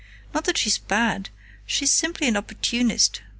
Not that she's bad; she's simply an opportunist.